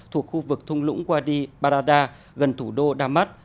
thuộc khu vực thung lũng quadi barada gần thủ đô damas